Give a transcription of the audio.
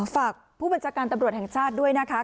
ฝากผู้บัญชาการตำรวจแห่งชาติด้วยนะคะ